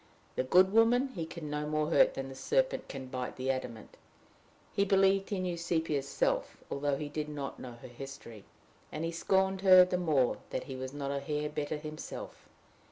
the good woman he can no more hurt than the serpent can bite the adamant. He believed he knew Sepia's self, although he did not yet know her history; and he scorned her the more that he was not a hair better himself.